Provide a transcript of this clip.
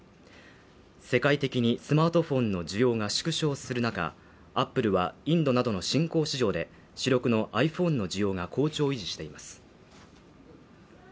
世界的にスマートフォンの需要が縮小する中、アップルはインドなどの新興市場で主力のｉＰｈｏｎｅの需要が好調を維持しています。